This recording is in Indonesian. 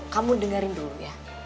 kamu dengerin dulu ya